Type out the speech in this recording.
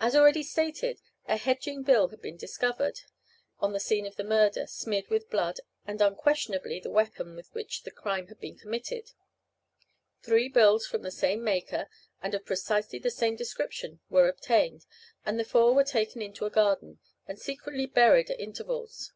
As already stated, a hedging bill had been discovered, on the scene of the murder, smeared with blood, and unquestionably the weapon with which the crime had been committed. Three bills from the same maker, and of precisely the same description, were obtained, and the four were taken into a garden, and secretly buried at intervals.